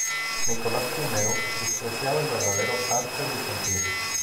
Nicolás I despreciaba el verdadero arte bizantino.